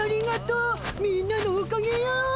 みんなのおかげよ。